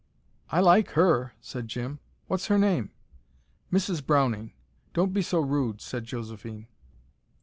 "I like HER," said Jim. "What's her name?" "Mrs. Browning. Don't be so rude," said Josephine.